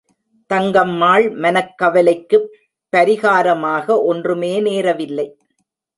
தங்கம்மாள் மனக் கவலைக்குப் பரிகாரமாக ஒன்றுமே நேரவில்லை.